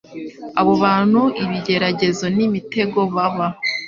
abo bantu ibigeragezo n’imitego baba